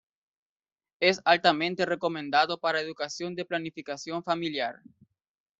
Es altamente recomendado para educación de planificación familiar".